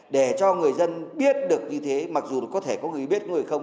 để cho người dân biết được như thế mặc dù có thể có người biết có người không